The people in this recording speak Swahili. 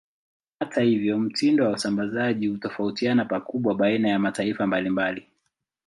Hata hivyo, mtindo wa usambazaji hutofautiana pakubwa baina ya mataifa mbalimbali.